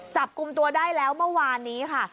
จับกลุ่มตัวได้แล้วเมื่อวานนี้ค่ะ